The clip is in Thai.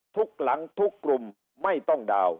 ทุกหลังทุกกลุ่มไม่ต้องดาวน์